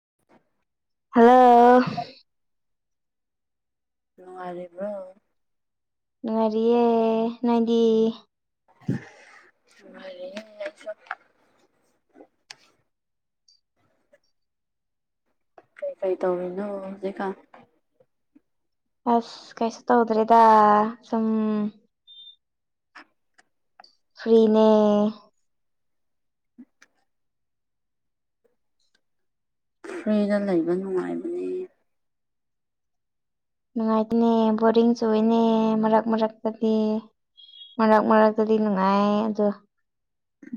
[inaudible] hello ꯅꯨꯡꯉꯥꯏꯔꯤꯕ꯭ꯔꯣ ꯅꯨꯉꯥꯏꯔꯤꯌꯦ ꯅꯪꯗꯤ ꯅꯨꯉꯥꯏꯔꯤꯌꯦ ꯑꯩꯁꯨ ꯀꯩꯀꯩ ꯇꯧꯔꯤꯅꯣ ꯍꯧꯖꯤꯛꯀꯥ ꯑꯁ ꯀꯩꯁꯨ ꯇꯧꯗ꯭ꯔꯦꯗ ꯁꯨꯝ ꯐ꯭ꯔꯤꯅꯦ ꯐ꯭ꯔꯤꯗ ꯂꯩꯕ ꯅꯨꯡꯉꯥꯏꯕꯅꯤ ꯅꯨꯡꯉꯥꯏꯇꯅꯦ ꯕꯣꯔꯤꯡ ꯆꯨꯏꯌꯦꯅꯦ ꯃꯔꯛ ꯃꯔꯛꯇꯗꯤ ꯃꯔꯛ ꯃꯔꯛꯇꯗꯤ ꯅꯨꯡꯉꯥꯏ ꯑꯗꯨ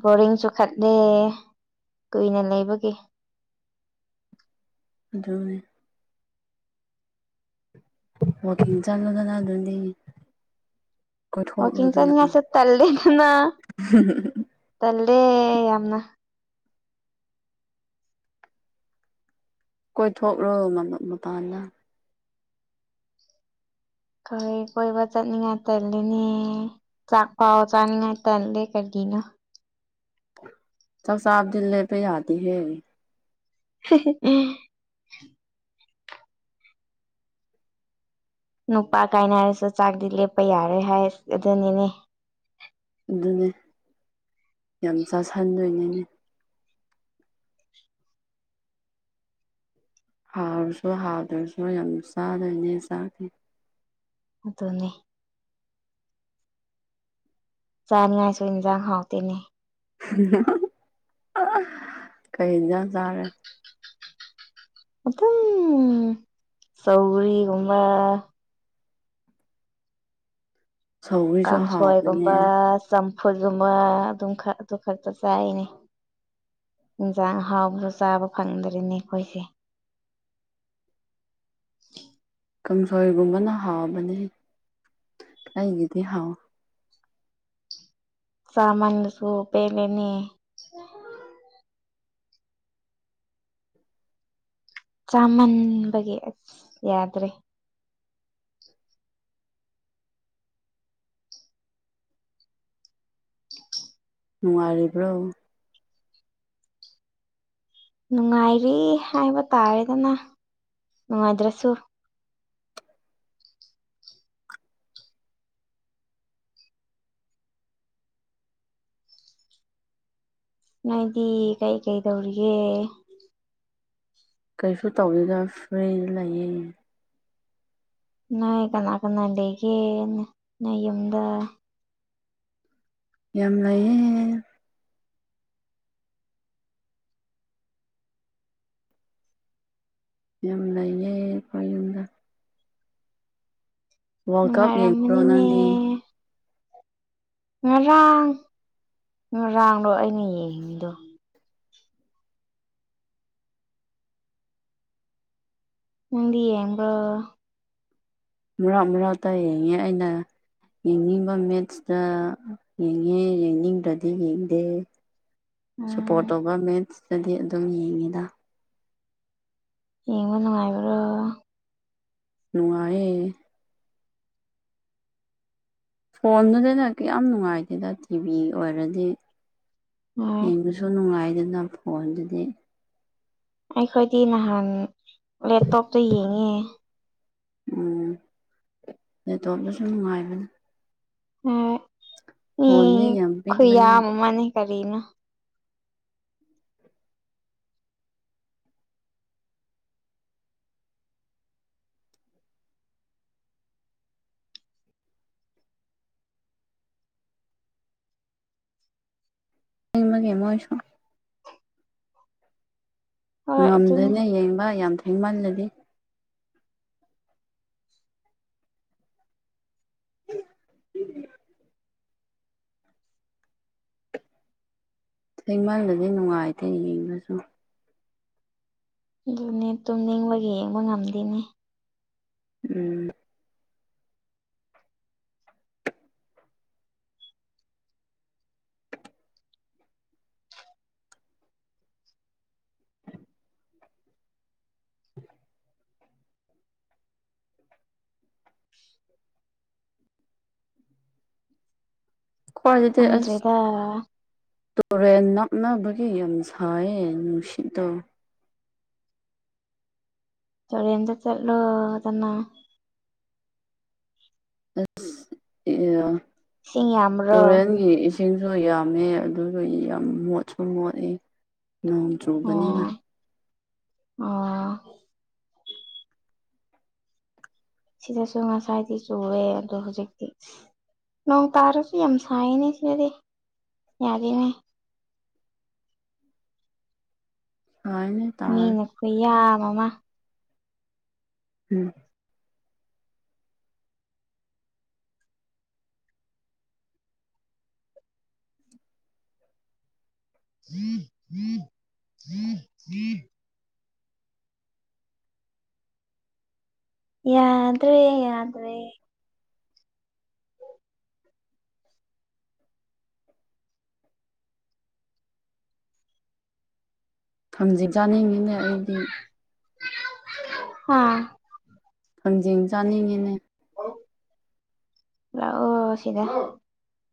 ꯕꯣꯔꯤꯡ ꯆꯨꯈꯠꯂꯦ ꯀꯨꯏꯅ ꯂꯩꯕꯒꯤ ꯑꯗꯨꯅꯤ ꯋꯥꯛꯀꯤꯡ ꯆꯠꯂꯒꯅ‌ ꯑꯗꯨꯗꯤ ꯋꯥꯀꯤꯡ ꯀꯣꯏꯊꯣꯛꯂꯨꯗꯅ ꯆꯅꯤꯉꯥꯏꯁꯨ ꯇꯜꯂꯦ ꯗꯅ ꯇꯜꯂꯦ ꯌꯥꯝꯅ ꯀꯣꯏꯊꯣꯛꯂꯣ ꯌꯥ ꯃꯥ ꯃꯥ ꯃꯄꯥꯗ ꯀꯣꯏ ꯀꯣꯏꯕ ꯆꯠꯅꯤꯡꯉꯥꯏ ꯇꯜꯂꯤꯅꯦ ꯆꯥꯛꯐꯥꯎ ꯆꯅꯤꯡꯉꯥꯏ ꯇꯜꯂꯦ ꯀꯔꯤꯅꯣ ꯆꯥꯛ ꯆꯥꯕꯗꯤ ꯂꯩꯞꯄ ꯌꯥꯗꯤ ꯍꯦ [unintelligible] ꯅꯨꯄꯥ ꯀꯥꯏꯔꯁꯨ ꯆꯥꯛꯗꯤ ꯂꯦꯞꯄ ꯌꯥꯔꯣꯏ ꯍꯥꯏ ꯑꯗꯨꯅꯤꯅꯦ ꯑꯗꯨꯅꯦ ꯌꯥꯝ ꯆꯥꯁꯟꯗꯣꯏꯅꯤꯅꯦ ꯍꯥꯎꯔꯁꯨ ꯍꯥꯗ꯭ꯔꯁꯨ ꯌꯥꯝꯅ ꯆꯥꯗꯣꯏꯅꯦ ꯆꯥꯛꯇꯤ ꯑꯗꯨꯅꯤ ꯆꯥꯅꯤꯉꯥꯏꯁꯨ ꯏꯟꯖꯥꯡ ꯍꯥꯎꯇꯦꯅꯦ ꯀꯩ ꯏꯟꯖꯥꯡ ꯆꯥꯔꯦ ꯑꯗꯨꯝ ꯁꯧꯒꯔꯤꯒꯨꯝꯕ ꯁꯧꯒ꯭ꯔꯤꯁꯨ ꯍꯥꯎꯕꯅꯦ ꯀꯥꯡꯁꯣꯏꯒꯨꯝꯕ ꯆꯝꯐꯨꯠꯒꯨꯝꯕ ꯑꯗꯨꯝ ꯈꯔ ꯑꯗꯨ ꯈꯛꯇ ꯆꯥꯏꯅꯦ ꯏꯟꯁꯥꯡ ꯍꯥꯎꯕꯗꯨ ꯆꯥꯕ ꯐꯪꯗꯔꯦꯅꯦ ꯑꯩꯈꯣꯏꯗꯤ ꯀꯥꯡꯁꯣꯏꯒꯨꯝꯕꯅ ꯍꯥꯎꯕꯅꯤ ꯑꯩꯒꯤꯗꯤ ꯍꯥꯎꯋꯤ ꯆꯥꯃꯜꯂꯁꯨ ꯄꯦꯜꯂꯦꯅꯦ [inaudible] ꯆꯥꯃꯟꯕꯒꯤ ꯑꯁ ꯌꯥꯗ꯭ꯔꯦ ꯅꯨꯡꯉꯥꯏꯔꯤꯕ꯭ꯔꯣ ꯅꯨꯡꯉꯥꯏꯔꯤ ꯍꯥꯏꯕ ꯇꯥꯔꯦꯗꯅ ꯅꯨꯡꯉꯥꯏꯗ꯭ꯔꯁꯨ ꯅꯣꯏꯗꯤ ꯀꯩ ꯀꯩ ꯇꯧꯔꯤꯒꯦ ꯀꯩꯁꯨ ꯇꯧꯗꯦꯗ ꯐ꯭ꯔꯤ ꯂꯩꯌꯦ ꯅꯣꯏ ꯀꯅꯥ ꯀꯅꯥ ꯂꯩꯒꯦ ꯅꯣꯏ ꯌꯨꯝꯗ ꯌꯥꯝ ꯂꯩꯌꯦ ꯌꯨꯝ ꯂꯩꯌꯦ ꯑꯩꯈꯣꯏ ꯌꯨꯝꯗ ꯋꯥꯔꯜ ꯀꯞ ꯌꯦꯡꯕ꯭ꯔꯣ ꯅꯨꯡꯉꯥꯏꯔꯝꯃꯅꯤꯅꯦ ꯅꯪꯗꯤ ꯉꯔꯥꯡ ꯉꯔꯥꯡꯔꫭ ꯑꯩꯅ ꯌꯦꯡꯉꯤꯗꯨ ꯅꯪꯗꯤ ꯌꯦꯡꯕꯔꫭ ꯃꯔꯛ ꯃꯔꯛꯇ ꯌꯦꯡꯉꯦ ꯑꯩꯅ ꯌꯦꯡꯅꯤꯡꯕ ꯃꯦꯠꯁꯇ ꯌꯦꯡꯉꯦ ꯌꯦꯡꯅꯤꯡꯗ꯭ꯔꯗꯤ ꯌꯦꯡꯗꯦ ꯎꯝ ꯁꯞꯄꯣꯔꯠ ꯇꯧꯕ ꯃꯦꯟꯁꯇꯗꯤ ꯑꯗꯨꯝ ꯌꯦꯡꯉꯤꯗ ꯌꯦꯡꯕ ꯅꯨꯡꯉꯥꯏꯕ꯭ꯔꯣ ꯅꯨꯡꯉꯥꯏꯌꯦ ꯐꯣꯟꯗꯅꯤꯅ ꯀꯌꯥꯝ ꯅꯨꯡꯉꯥꯏꯇꯦꯗ ꯇꯤꯚꯤ ꯑꯣꯏꯔꯗꯤ ꯎꯝ ꯌꯦꯡꯕ ꯁꯨ ꯅꯨꯡꯉꯥꯏꯗꯅ ꯐꯣꯟꯗꯨꯗꯤ ꯑꯩꯈꯣꯏꯗꯤ ꯅꯍꯥꯟ ꯂꯦꯞꯇꯣꯞꯇ ꯌꯦꯡꯉꯦ ꯎꯝ ꯂꯦꯞꯇꯣꯞꯇꯁꯨ ꯅꯨꯡꯉꯥꯏꯕꯅꯤ ꯍꫭꯏ ꯃꯤ ꯐꯣꯟꯗꯤ ꯌꯥꯝ ꯄꯤꯛꯄꯅꯤꯅ ꯈꯨꯨꯌꯥꯝ ꯑꯃꯅꯤ ꯀꯔꯤꯅꫭ ꯍꯤꯡꯕꯒꯤ ꯃꯣꯏꯁꯨ ꯍꯣꯏ ꯑꯗꯨꯅꯤ ꯉꯝꯗꯦꯅ ꯌꯦꯡꯕ ꯌꯥꯝ ꯊꯦꯡꯃꯜꯂꯗꯤ ꯎ [inaudible] ꯊꯦꯡꯃꯜꯂꯗꯤ ꯅꯨꯡꯉꯥꯏꯇꯦ ꯌꯦꯡꯕꯁꯨ ꯑꯗꯨꯅꯦ ꯇꯨꯝ ꯅꯤꯡꯕꯒꯤ ꯌꯦꯡꯕ ꯉꯝꯗꯦꯅꯦ ꯎꯝ [inaudible] ꯑꯩꯈꫭꯏꯗꯗꯤ ꯑꯁ ꯈꯪꯗ꯭ꯔꯦꯗ ꯇꯨꯔꯦꯟ ꯅꯛꯅꯕꯒꯤ ꯌꯥꯝ ꯁꯥꯏꯌꯦ ꯅꯨꯡꯁꯤꯠ ꯇꫭ ꯇꯨꯔꯦꯟꯗ ꯆꯠꯂꯣꯗꯅ ꯑꯁ ꯏꯁꯤꯡ ꯌꯥꯝꯕ꯭ꯔꯣ ꯇꯨꯔꯦꯟꯒꯤ ꯏꯁꯤꯡꯗꫭ ꯌꯥꯝꯃꯦ ꯑꯗꯨꯁꯨ ꯌꯥꯝ ꯃꯣꯠꯁꯨ ꯃꯣꯠꯂꯤ ꯅꫭꯡ ꯑꯣ ꯑꯣ ꯁꯤꯗꯁꯨ ꯉꯁꯥꯏꯗꯤ ꯆꯨꯔꯦ ꯑꯗꯣ ꯍꯧꯖꯤꯛꯇꯤ ꯅꯣꯡ ꯇꯥꯔꯁꯨ ꯌꯥꯝ ꯁꯥꯏꯅꯦ ꯁꯤꯗꯗꯤ ꯌꯥꯗꯦꯅꯦ ꯍꯥꯎꯅꯦ ꯃꯤꯅ ꯀꯨꯌꯥꯝ ꯑꯃ ꯎꯝ [inaudible] [inaudible] ꯎ [inaudible] ꯌꯥꯗ꯭ꯔꯦ ꯌꯥꯗ꯭ꯔꯦ ꯊꯥꯡꯖꯤꯡ ꯆꯥꯅꯤꯡꯉꯤꯅꯦ ꯑꯩꯗꯤ ꯍꯣ ꯊꯥꯡꯖꯤꯡ ꯆꯥꯅꯤꯡꯉꯤꯅꯦ ꯂꯥꯛꯑꯣ ꯁꯤꯗ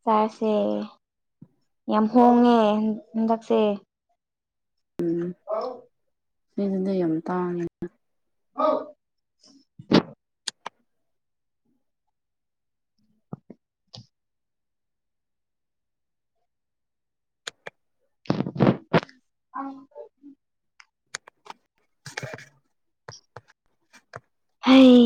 ꯆꯥꯔꯁꯦ ꯌꯥꯝ ꯍꯣꯡꯉꯦ ꯍꯟꯗꯛꯁꯦ ꯑꯥꯎ ꯅꯣꯏꯗꯨꯅ ꯌꯥꯝ ꯇꯥꯡꯉꯦꯅ ꯑꯧ ꯑꯪ [inaudible] ꯑꯩ